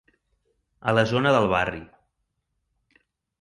A la zona del barri.